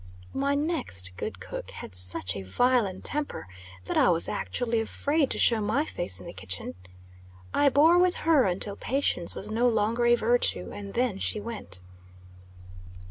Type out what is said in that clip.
My next good cook had such a violent temper, that I was actually afraid to show my face in the kitchen. I bore with her until patience was no longer a virtue, and then she went.